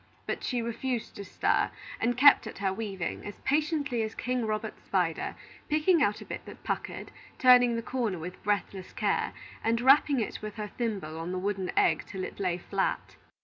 But she refused to stir, and kept at her weaving, as patiently as King Robert's spider, picking out a bit that puckered, turning the corner with breathless care, and rapping it with her thimble on the wooden egg till it lay flat.